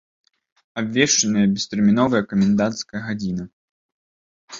Абвешчаная бестэрміновая каменданцкая гадзіна.